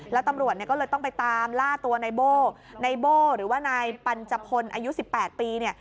แล้วตำรวจเนี่ยก็เลยต้องไปตามล่าตัวในโบ้ในโบ้หรือว่านายปัญจพลอายุ๑๘ปีเนี่ย